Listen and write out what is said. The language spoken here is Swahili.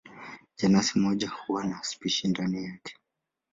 Jenasi moja huwa na spishi ndani yake.